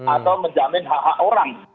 atau menjamin hak hak orang